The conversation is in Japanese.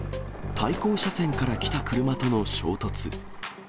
対向車線から来た車との衝突。